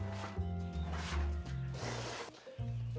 bisa tapi tidak